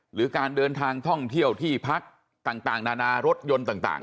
หรือการเดินทางท่องเที่ยวที่พักต่างนานารถยนต์ต่าง